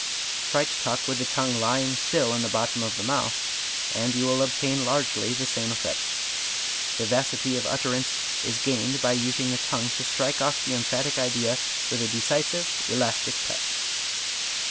Try to talk with the tongue lying still in the bottom of the mouth, and you will obtain largely the same effect. Vivacity of utterance is gained by using the tongue to strike off the emphatic idea with a decisive, elastic touch.